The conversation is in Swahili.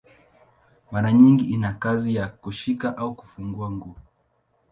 Mara nyingi ina kazi ya kushika au kufunga nguo.